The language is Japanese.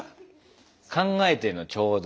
考えてんのちょうど。